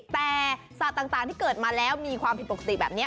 แต่สัตว์ต่างที่เกิดมาแล้วมีความผิดปกติแบบนี้